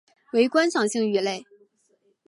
为观赏性鱼类。